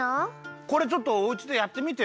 これちょっとおうちでやってみてよ。